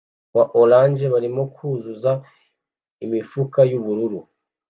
wa orange barimo kuzuza imifuka yubururu